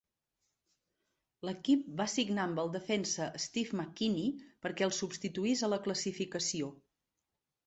L'equip va signar amb el defensa Steve McKinney perquè el substituís a la classificació.